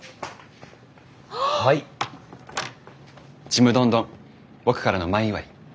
ちむどんどん僕からの前祝い。